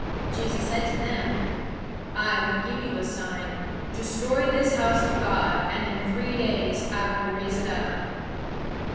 Jesus said to them: "I will give you a sign. Destroy this house of God, and in three days I will raise it up."